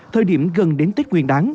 thời điểm gần đến tết nguyên đáng